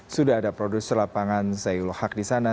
sudah ada produser lapangan zai lohak di sana